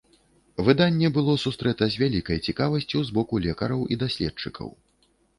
Выданне было сустрэта з вялікай цікавасцю з боку лекараў і даследчыкаў.